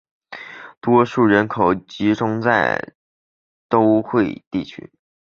多数人口集中在都会地区。